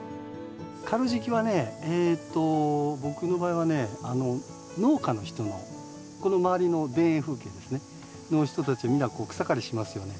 刈る時期はねえと僕の場合はねあの農家の人のこの周りの田園風景ですねの人たちみんな草刈りしますよね。